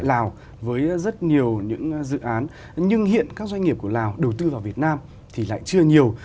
lào với rất nhiều những dự án nhưng hiện các doanh nghiệp của lào đầu tư vào việt nam thì lại chưa nhiều